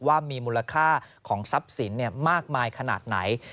ว่ามีมูลค่าของทรัพย์สินมากมายขนาดไหน